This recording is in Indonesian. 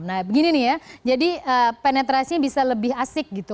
nah begini nih ya jadi penetrasinya bisa lebih asik gitu